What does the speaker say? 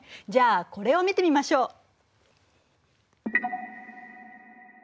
じゃあこれを見てみましょう。